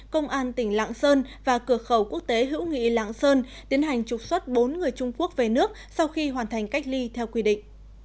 công an tỉnh lạng sơn và cửa khẩu quốc tế hữu nghị lạng sơn tiến hành trục xuất bốn người trung quốc về nước sau khi hoàn thành cách ly theo quy định